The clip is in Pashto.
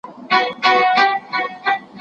هر څومره یې چې پټ کړې.